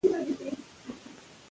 په افغانستان کې د پسرلی منابع شته.